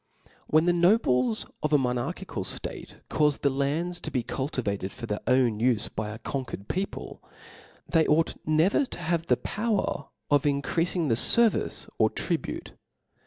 \\J HEN the nobles of a monarchical ftate ^^ caafe the lands to be cultivated for their own ufe by a conquered people, they ought never to have a power of increafing the fervice or tribute*.